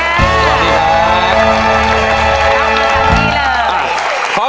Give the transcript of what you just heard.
สวัสดีครับ